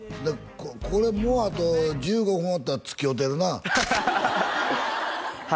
これもうあと１５分おったらつきおうてるな母